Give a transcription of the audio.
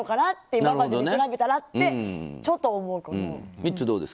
今までに比べたらってちょっと思うけど。